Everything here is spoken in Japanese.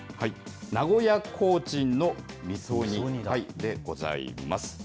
名古屋コーチンのみそ煮でございます。